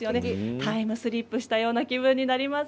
タイムスリップしたような気分になります。